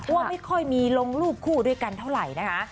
ว่าไม่ค่อยมีลงรูปคู่ด้วยกันเท่าไหร่นะคะ